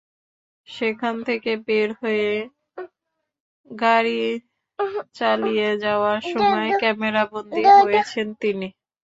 সেখান থেকে বের হয়ে গাড়ি চালিয়ে যাওয়ার সময় ক্যামেরাবন্দীও হয়েছেন তিনি।